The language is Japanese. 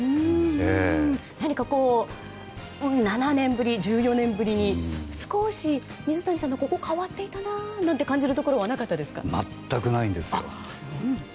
何か７年ぶり１４年ぶりに少し少し水谷さんも、ここ変わっていたなというところは全くないんですよ。